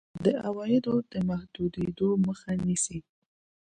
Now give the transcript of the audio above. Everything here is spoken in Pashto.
د عوایدو د محدودېدو مخه نیسي.